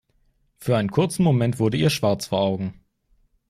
Für einen kurzen Moment wurde ihr schwarz vor Augen.